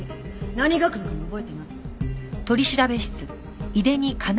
何学部かも覚えてない。